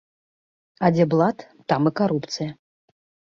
А дзе блат, там і карупцыя.